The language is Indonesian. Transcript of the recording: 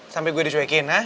sampai gue dicuekin ha